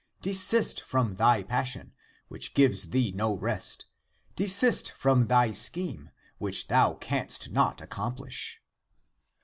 Desist from thy passion, which gives thee no rest ! Desist from thy scheme, which thou canst not accomplish